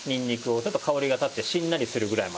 ちょっと香りが立ってしんなりするぐらいまで。